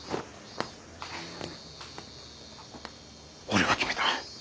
俺は決めた。